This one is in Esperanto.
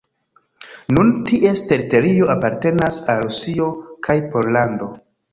Nun ties teritorio apartenas al Rusio kaj Pollando.